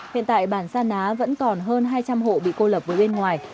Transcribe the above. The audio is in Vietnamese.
hiện tại bản sa ná vẫn còn hơn hai trăm linh hộ bị cô lập với bên ngoài